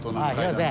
広瀬。